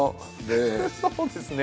そうですね。